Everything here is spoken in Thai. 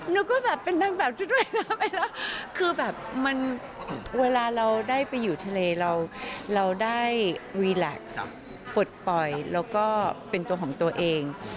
ลืมสะกดปลดป่อยแล้วก็เป็นตัวของตัวเอง